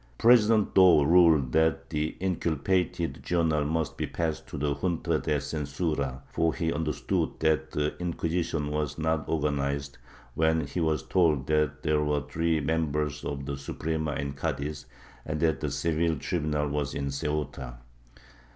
President Dou ruled that the inculpated journal must be passed to the Junta de Censura, for he understood that the Inquisition was not organized, when he was told that there were three members of the Suprema in Cadiz, and that the Seville tribunal was in Ceuta.